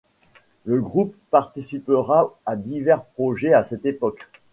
Le groupe participera à divers projets à cette époque.